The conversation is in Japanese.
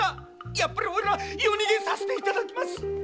やっぱりおいら夜逃げさせていただきます！